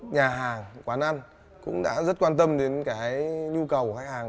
nhà hàng quán ăn cũng đã rất quan tâm đến cái nhu cầu khách hàng